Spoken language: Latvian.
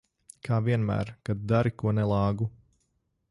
Kā vienmēr, kad dari ko nelāgu.